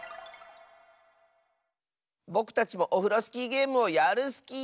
ぼくたちもオフロスキーゲームをやるスキー！